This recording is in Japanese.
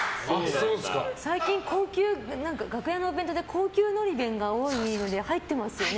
最近、楽屋のお弁当で高級のり弁が多いので入ってますよね。